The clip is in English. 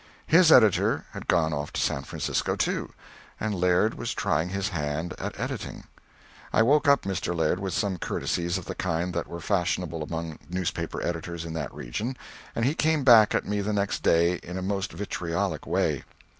His editor had gone off to San Francisco too, and Laird was trying his hand at editing. I woke up Mr. Laird with some courtesies of the kind that were fashionable among newspaper editors in that region, and he came back at me the next day in a most vitriolic way.